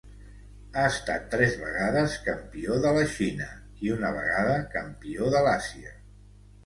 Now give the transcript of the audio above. Ha estat tres vegades campió de la Xina i una vegada campió de l'Àsia.